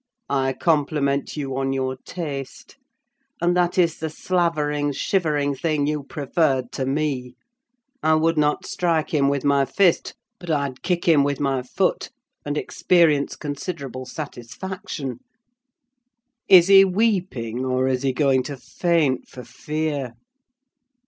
"I compliment you on your taste. And that is the slavering, shivering thing you preferred to me! I would not strike him with my fist, but I'd kick him with my foot, and experience considerable satisfaction. Is he weeping, or is he going to faint for fear?"